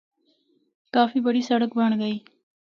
کافی بڑی سڑک بنڑ گئی۔